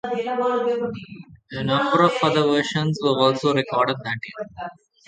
A number of other versions were also recorded that year.